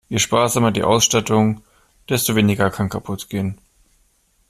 Je sparsamer die Ausstattung, desto weniger kann kaputt gehen.